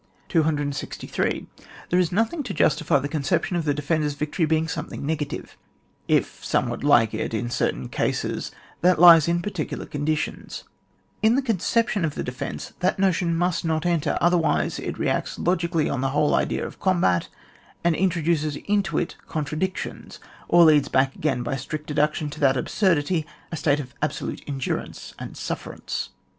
263. There is nothing to justify the conception of the defender's victory being something negative ; if somewhat like it, in certain oases, that lies in particular conditions : into the eoneeption of the de fence that notion must not enter, other wise it reacts logically on the whole idea of combat, and introduces into it contra* dictions, or leads back again, by strict deduction, to that absurdity, a state of absolute endurance and sufferance.